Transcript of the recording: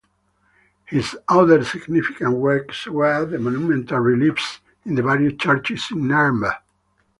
His other significant works were the monumental reliefs in the various churches in Nuremberg.